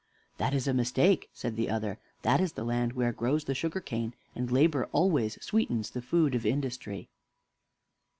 "That is a mistake," said the other. "That is the land where grows the sugar cane, and Labor always sweetens the food of Industry."